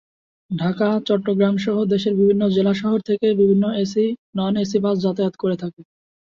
ঢাকা, চট্টগ্রাম সহ দেশের বিভিন্ন জেলা শহর থেকে বিভিন্ন এসি/নন-এসি বাস যাতায়াত করে থাকে।